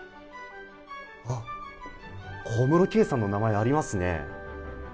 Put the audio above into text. あっ、小室圭さんの名前がありますね。